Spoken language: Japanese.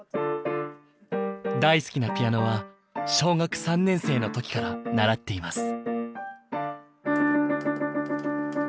大好きなピアノは小学３年生の時から習っています。